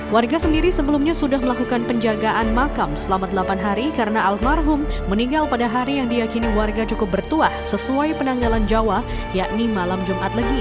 warga sendiri sebelumnya sudah melakukan penjagaan makam selama delapan hari karena almarhum meninggal pada hari yang diakini warga cukup bertuah sesuai penanggalan jawa yakni malam jumat legi